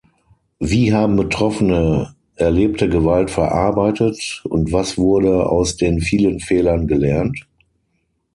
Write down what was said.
Wie haben Betroffene erlebte Gewalt verarbeitet, und was wurde aus den vielen Fehlern gelernt?